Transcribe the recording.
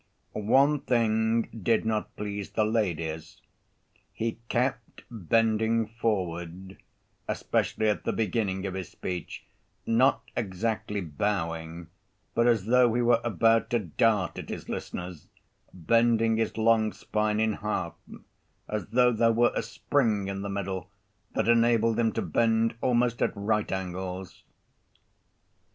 One thing did not please the ladies: he kept bending forward, especially at the beginning of his speech, not exactly bowing, but as though he were about to dart at his listeners, bending his long spine in half, as though there were a spring in the middle that enabled him to bend almost at right angles.